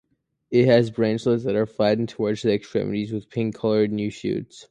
It has branchlets that are flattened towards the extremities with pink coloured new shoots.